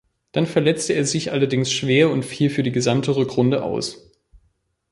Dann verletzte er sich allerdings schwer und fiel für die gesamte Rückrunde aus.